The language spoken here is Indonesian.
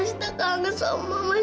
sita kangen sama mama